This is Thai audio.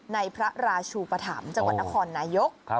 ในพระราชูปธรรมจังหวัดนครนายก